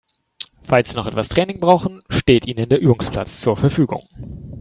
Falls Sie noch etwas Training brauchen, steht Ihnen der Übungsplatz zur Verfügung.